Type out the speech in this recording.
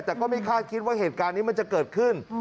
แต่ก็ไม่คาดคิดว่าเหตุการณ์นี้มันจะเกิดขึ้น